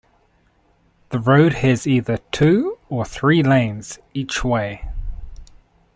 The road has either two or three lanes each way.